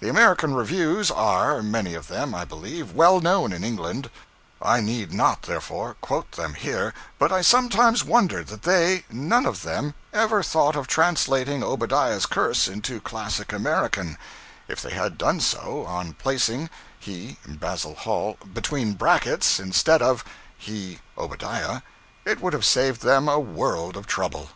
The American Reviews are, many of them, I believe, well known in England; I need not, therefore, quote them here, but I sometimes wondered that they, none of them, ever thought of translating Obadiah's curse into classic American; if they had done so, on placing (he, Basil Hall) between brackets, instead of (he, Obadiah) it would have saved them a world of trouble.